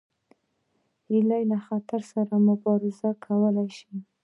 هیلۍ له خطر سره مبارزه کولی شي